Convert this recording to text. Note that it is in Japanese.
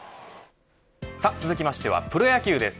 続きましてはプロ野球です。